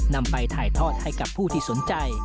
นำไปถ่ายทอดให้กับผู้ที่สนใจ